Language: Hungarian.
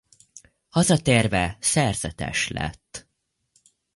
Hazatérve szerzetes lett.